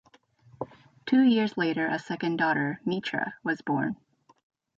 Two years later a second daughter, Mitra, was born.